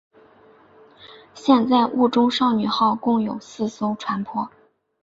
现在雾中少女号共有四艘船舶。